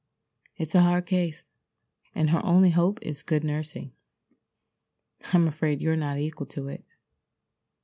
"It's a hard case, and her only hope is good nursing. I'm afraid you're not equal to it.